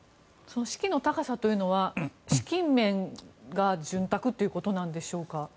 士気の高さというのは資金面が潤沢ということなんでしょうか？